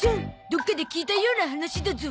どっかで聞いたような話だゾ。